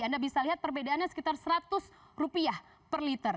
anda bisa lihat perbedaannya sekitar rp seratus per liter